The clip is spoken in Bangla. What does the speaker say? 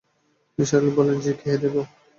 নিসার আলি বললেন, জ্বি, খেয়ে নেব।